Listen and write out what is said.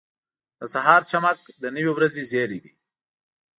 • د سهار چمک د نوې ورځې زېری دی.